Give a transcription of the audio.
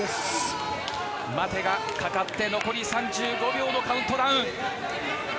待てがかかって残り３５秒のカウントダウン。